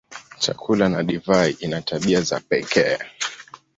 Chakula na divai ina tabia za pekee.